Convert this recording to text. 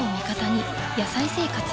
「野菜生活」